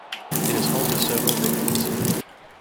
It is home to several vineyards.